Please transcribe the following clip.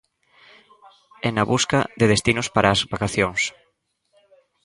E na busca de destinos para as vacacións...